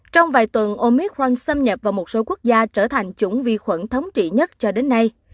trong vài tuần omit ron xâm nhập vào một số quốc gia trở thành chủng vi khuẩn thống trị nhất cho đến nay